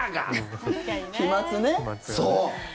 飛まつね。